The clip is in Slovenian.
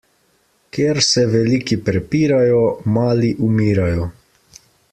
Kjer se veliki prepirajo, mali umirajo.